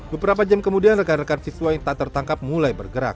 beberapa jam kemudian rekan rekan siswa yang tak tertangkap mulai bergerak